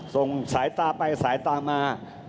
ส่งสายตาไปสายตามา